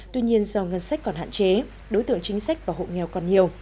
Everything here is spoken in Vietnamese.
tuy nhiên do ngân sách còn hạn chế đối tượng chính sách và hộ nghèo còn nhiều